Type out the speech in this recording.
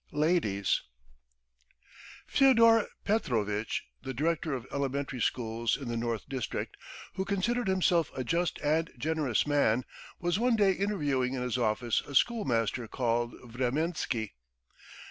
LADIES FYODOR PETROVITCH the Director of Elementary Schools in the N. District, who considered himself a just and generous man, was one day interviewing in his office a schoolmaster called Vremensky.